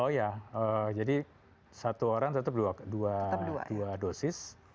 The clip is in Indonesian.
oh ya jadi satu orang tetap dua dosis